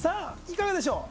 いかがでしょう？